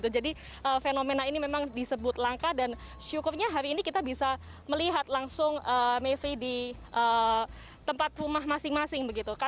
jadi fenomena ini memang disebut langka dan syukurnya hari ini kita bisa melihat langsung mevri di tempat rumah masing masing